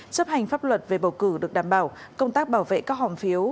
chấp hành pháp luật về bầu cử được đảm bảo công tác bảo vệ các hòm phiếu